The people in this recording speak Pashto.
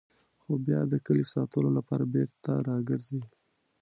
خو بیا د کلي ساتلو لپاره بېرته راګرځي.